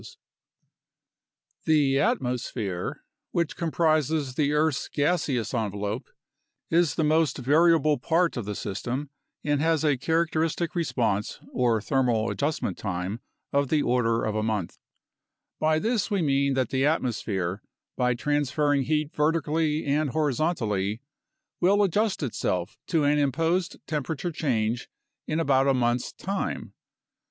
*• E o o c 14 PHYSICAL BASIS OF CLIMATE AND CLIMATIC CHANGE 15 The atmosphere, which comprises the earth's gaseous envelope, is the most variable part of the system and has a characteristic response or thermal adjustment time of the order of a month. By this we mean that the atmosphere, by transferring heat vertically and horizontally, will adjust itself to an imposed temperature change in about a month's time.